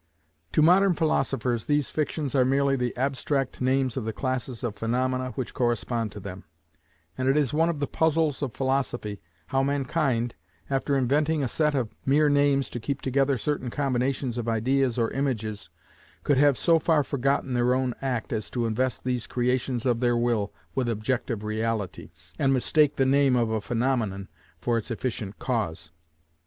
To modern philosophers these fictions are merely the abstract names of the classes of phaenomena which correspond to them; and it is one of the puzzles of philosophy, how mankind, after inventing a set of mere names to keep together certain combinations of ideas or images, could have so far forgotten their own act as to invest these creations of their will with objective reality, and mistake the name of a phaenomenon for its efficient cause.